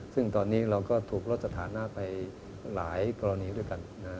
ซึ่งตอนนี้เราก็ถูกลดสถานะไปหลายกรณีด้วยกัน